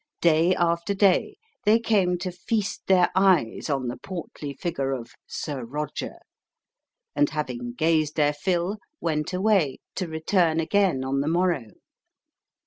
Day after day, they came to feast their eyes on the portly figure of "Sir Roger," and, having gazed their fill, went away, to return again on the morrow.